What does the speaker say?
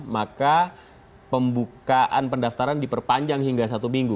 maka pembukaan pendaftaran diperpanjang hingga satu minggu